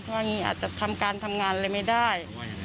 ว่าอย่างนี้อาจจะทำการทำงานอะไรไม่ได้